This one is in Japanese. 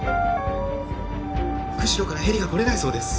釧路からヘリが来れないそうです。